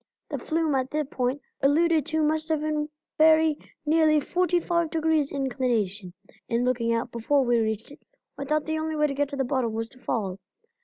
The flume at the point alluded to must have been very nearly forty five degrees inclination. In looking out, before we reached it, I thought the only way to get to the bottom was to fall.